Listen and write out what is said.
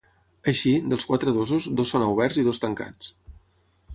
Així, dels quatre dosos, dos són oberts i dos tancats.